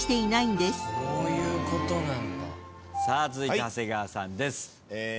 続いて長谷川さんです。